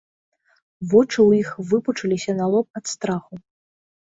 Вочы ў іх выпучыліся на лоб ад страху.